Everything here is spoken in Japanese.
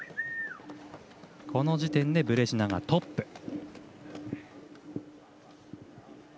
この時点でブレジナがトップ。